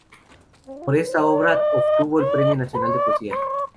Por esta obra obtuvo el Premio Nacional de Poesía.